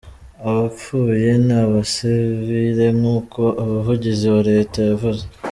Abapfuye ni abasivile, nkuko umuvugizi wa leta yavuze.